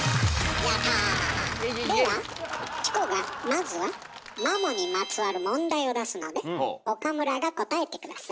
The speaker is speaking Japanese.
ではチコがまずはマモにまつわる問題を出すので岡村が答えて下さい。